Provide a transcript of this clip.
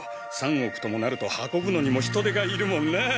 ３億ともなると運ぶのにも人手が要るもんなぁ。